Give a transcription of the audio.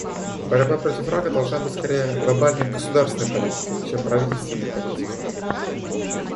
Борьба против рака должна быть скорее глобальной государственной политикой, чем правительственной политикой.